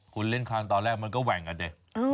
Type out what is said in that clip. คุณเล่นคางตอนแรกมันก็แหว่งอ่ะดิ